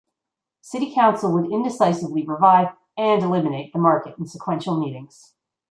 City Council would indecisively revive and eliminate the market in sequential meetings.